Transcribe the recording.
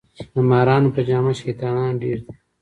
د مارانو په جامه شیطانان ډیر دي